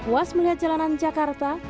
was melihat jalanan jakarta